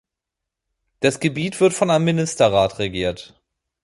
Das Gebiet wird von einem Ministerrat regiert.